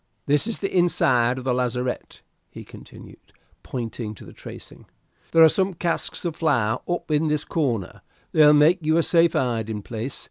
"This is the inside of the lazarette," he continued, pointing to the tracing. "There are some casks of flour up in this corner. They'll make you a safe hiding place.